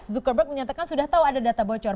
zuckerberg menyatakan sudah tahu ada data bocor